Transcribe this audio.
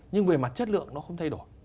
nhưng về mặt chất lượng nó không thay đổi